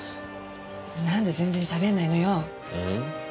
なんで全然しゃべんないのよ？